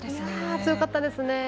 強かったですね。